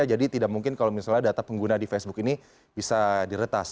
jadi tidak mungkin kalau misalnya data pengguna di facebook ini bisa diretas